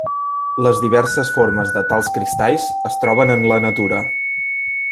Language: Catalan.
Les diverses formes de tals cristalls es troben en la natura.